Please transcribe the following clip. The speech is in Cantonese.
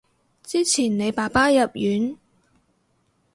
之前你爸爸入院